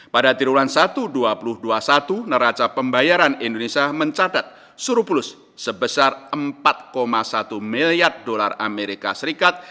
pada triwulan satu dua ribu dua puluh satu neraca pembayaran indonesia mencatat surplus sebesar empat satu miliar dolar amerika serikat